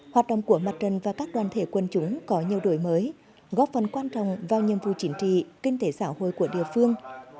hoạt động của mặt trận và các đoàn thể quân chúng có nhiều đổi mới góp phần quan trọng vào nhiệm vụ chính trị kinh tế xã hội của địa phương